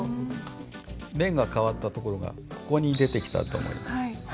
面が変わったところがここに出てきたと思います。